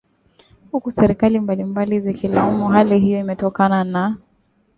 huku serikali mbalimbali zikilaumu hali hiyo imetokana na